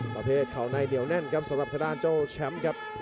ประเภทเขาในเหนียวแน่นครับสำหรับทางด้านเจ้าแชมป์ครับ